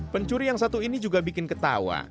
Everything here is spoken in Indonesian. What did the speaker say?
pencuri yang satu ini juga bikin ketawa